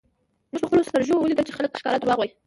مونږ په خپلو سترږو ولیدل چی خلک ښکاره درواغ وایی